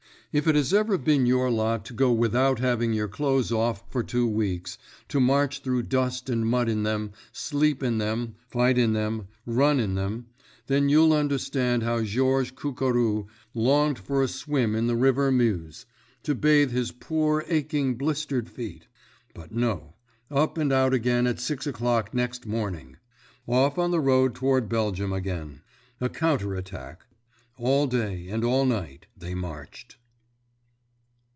If it has ever been your lot to go without having your clothes off for two weeks—to march through dust and mud in them, sleep in them, fight in them, run in them—then you'll understand how Georges Cucurou longed for a swim in the river Meuse—to bathe his poor, aching blistered feet. But no—up and out again at six o'clock next morning! Off on the road toward Belgium again. A counter attack. All day and all night they marched.